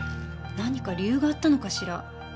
何か理由があったのかしら？